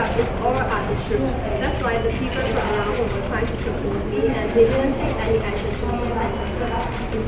พวกมันจัดสินค้าที่๑๙นาที